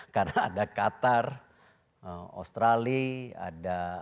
karena ada qatar australia